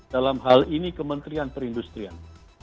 dalam hal ini kementerian perindustrian